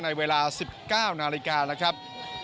ในเวลา๑๙นาฬิกาแล้วครับ